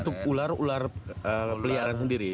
untuk ular ular peliharaan sendiri